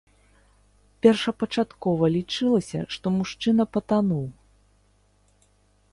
Першапачаткова лічылася, што мужчына патануў.